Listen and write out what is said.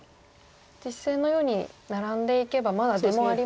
実戦のようにナラんでいけばまだ出もありますね。